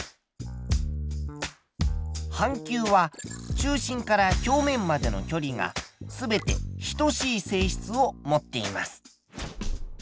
半球は中心から表面までの距離が全て等しい性質を持っています。